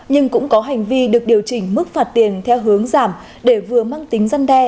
nhưng cũng có hành vi được điều chỉnh mức phạt tiền theo hướng giảm để vừa mang tính dân đe